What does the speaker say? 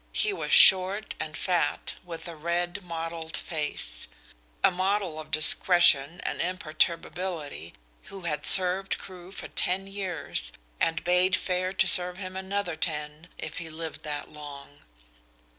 He was short and fat, with a red mottled face; a model of discretion and imperturbability, who had served Crewe for ten years, and bade fair to serve him another ten, if he lived that long.